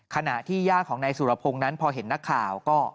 ขณะที่ญาติของนายสุรพงศ์นั้นพอเห็นนักข่าวก็